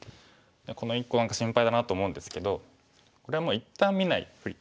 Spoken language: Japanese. この１個が何か心配だなと思うんですけどこれはもう一旦見ないふり。